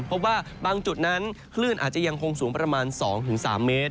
เพราะว่าบางจุดนั้นคลื่นอาจจะยังคงสูงประมาณ๒๓เมตร